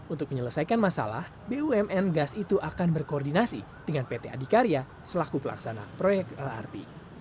untuk menyelesaikan masalah bumn gas itu akan berkoordinasi dengan pt adikarya selaku pelaksana proyek lrt